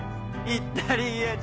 「イタリア人」。